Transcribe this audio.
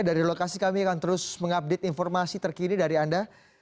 dari lokasi kami akan terus mengupdate informasi terkini dari anda